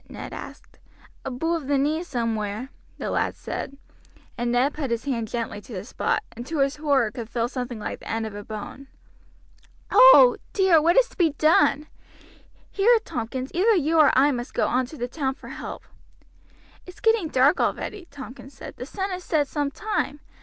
Ned asked. "Aboove the knee somewhere," the lad said, and Ned put his hand gently to the spot, and to his horror could feel something like the end of a bone. "Oh! dear, what is to be done? Here, Tompkins, either you or I must go on to the town for help." "It's getting dark already," Tompkins said; "the sun has set some time.